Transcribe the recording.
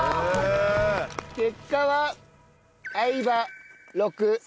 結果は相葉６。